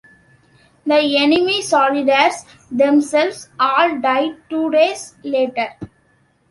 The enemy soldiers themselves all die two days later.